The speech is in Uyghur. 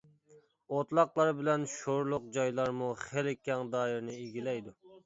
ئوتلاقلار بىلەن شورلۇق جايلارمۇ خېلى كەڭ دائىرىنى ئىگىلەيدۇ.